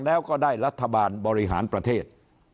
แล้วก็ได้รัฐบาลบริหารประเทศ